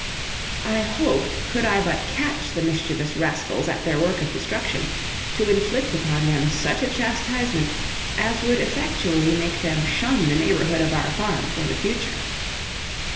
I hoped, could I but catch the mischievous rascals at their work of destruction, to inflict upon them such a chastisement as would effectually make them shun the neighborhood of our farm for the future.